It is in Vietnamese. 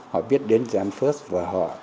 họ biết đến dự án first và họ